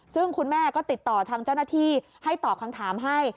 ซึ่งคุณแม่ก็ติดต่อทางเจ้าหน้าที่ให้ตอบคำถามให้